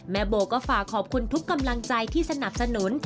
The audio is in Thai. โบก็ฝากขอบคุณทุกกำลังใจที่สนับสนุน